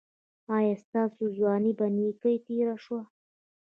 ایا ستاسو ځواني په نیکۍ تیره شوه؟